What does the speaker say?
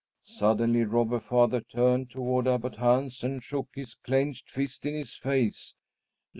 Suddenly Robber Father turned toward Abbot Hans and shook his clenched fist in his face.